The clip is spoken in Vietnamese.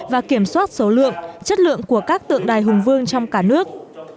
và kiểm soát số lượng chất lượng của các tượng đài hùng vương trong cả nước